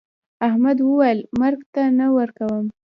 احمد وويل: مرگ ته نه ورکوم.